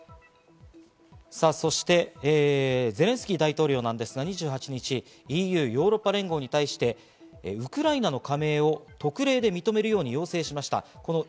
ゼレンスキー大統領ですが２８日、ＥＵ＝ヨーロッパ連合に対してウクライナの加盟を特例で認めるよう、要請しました。